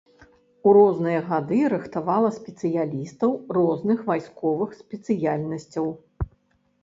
У розныя гады рыхтавала спецыялістаў розных вайсковых спецыяльнасцяў.